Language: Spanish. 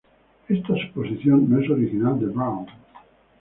Esta suposición no es original de Brown.